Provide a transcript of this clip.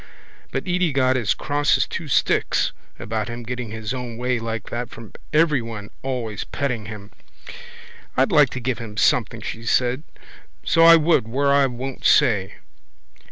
But Edy got as cross as two sticks about him getting his own way like that from everyone always petting him. —I'd like to give him something, she said, so I would, where I won't say.